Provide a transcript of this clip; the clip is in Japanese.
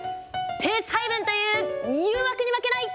ペース配分という誘惑に負けない。